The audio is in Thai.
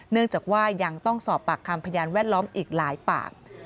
เนื่องจากว่ายังต้องสอบปากคำพยานแวดล้อมอีกหลายปาก